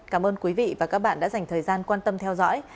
cảm ơn quý vị và các bạn đã dành thời gian quan tâm theo dõi